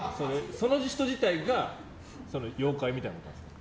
その人自体が妖怪みたいなことですか？